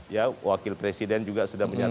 ya wakil presiden juga sudah menyatakan